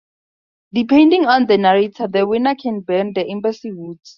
Depending on the narrator, the winner can burn the Embassy wood's.